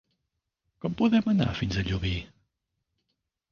Com podem anar fins a Llubí?